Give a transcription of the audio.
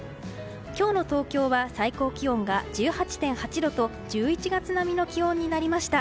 今日の東京は最高気温が１８．８度と１１月並みの気温になりました。